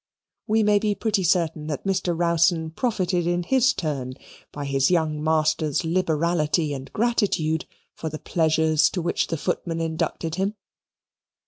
We may be pretty certain that Mr. Rowson profited in his turn by his young master's liberality and gratitude for the pleasures to which the footman inducted him.